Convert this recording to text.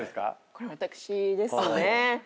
これ私ですね。